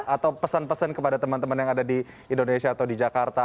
atau pesan pesan kepada teman teman yang ada di indonesia atau di jakarta